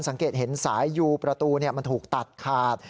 สังเกตเห็นสายยูประตูมันถูกตัดขาด